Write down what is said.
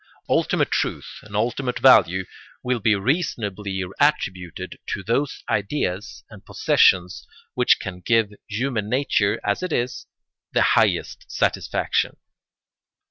Ultimate truth and ultimate value will be reasonably attributed to those ideas and possessions which can give human nature, as it is, the highest satisfaction.